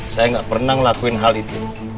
saya nggak pernah ngelakuin hal itu